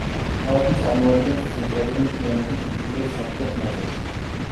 ქალაქი წარმოადგენს ცენტრალური მთიანეთის უკიდურეს სამხრეთ ნაწილს.